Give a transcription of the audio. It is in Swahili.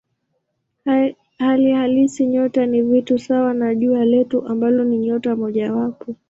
Hali halisi nyota ni vitu sawa na Jua letu ambalo ni nyota mojawapo.